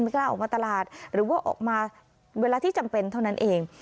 กล้าออกมาตลาดหรือว่าออกมาเวลาที่จำเป็นเท่านั้นเอง